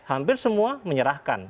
hampir semua menyerahkan